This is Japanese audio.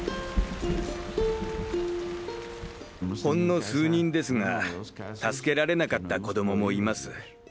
ほんの数人ですが助けられなかった子どももいます。